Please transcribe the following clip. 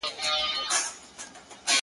قاضي و ویله غوږ نیسی دوستانو،